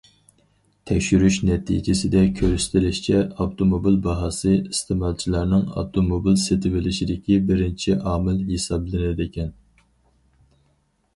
تەكشۈرۈش نەتىجىسىدە كۆرسىتىلىشىچە، ئاپتوموبىل باھاسى ئىستېمالچىلارنىڭ ئاپتوموبىل سېتىۋېلىشىدىكى بىرىنچى ئامىل ھېسابلىنىدىكەن.